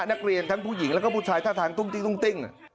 นักเรียนทั้งผู้หญิงแล้วก็ผู้ชายท่าทางตุ้งติ้งติ้ง